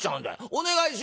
お願いしますよ」。